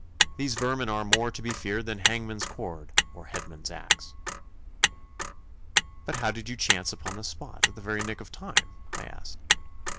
These vermin are more to be feared than hangman's cord or headsman's axe.' 'But how did you chance upon the spot at the very nick of time?' I asked.